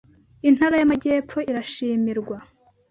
Intara y’Amajyepfo irashimirwa